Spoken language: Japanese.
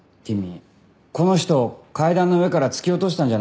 この人を階段の上から突き落としたんじゃないの？